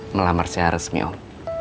melamar secara resmi om